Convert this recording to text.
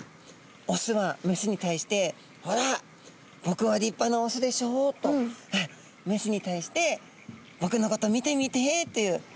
オスはメスに対して「ほら僕は立派なオスでしょう」とメスに対して「僕のこと見てみて」という。